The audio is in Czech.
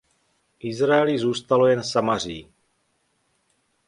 Izraeli zůstalo jen Samaří.